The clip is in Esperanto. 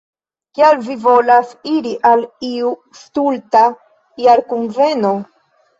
Kial vi volas iri al iu stulta jarkunveno?